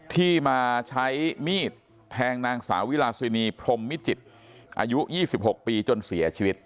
ที่มาใช้มีดแทงนางสาวิลาซินีพรมมิจิตรอายุ๒๖ปีจนเสียชีวิต